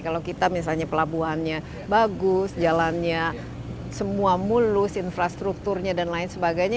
kalau kita misalnya pelabuhannya bagus jalannya semua mulus infrastrukturnya dan lain sebagainya